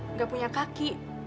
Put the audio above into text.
nggak punya kaki